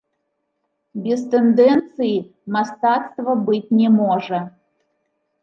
Без тэндэнцыі мастацтва быць не можа.